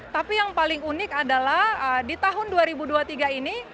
tapi yang paling unik adalah di tahun dua ribu dua puluh tiga ini